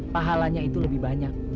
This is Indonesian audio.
pahalanya itu lebih banyak